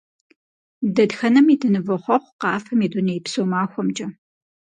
Дэтхэнэми дынывохъуэхъу Къафэм и дунейпсо махуэмкӀэ!